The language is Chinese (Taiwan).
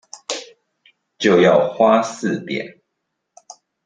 就要花四點